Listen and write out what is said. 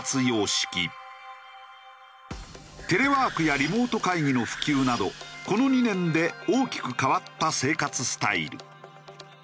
テレワークやリモート会議の普及などこの２年で大きく変わった生活スタイル。